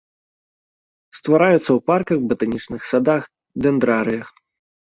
Ствараюцца ў парках, батанічных садах, дэндрарыях.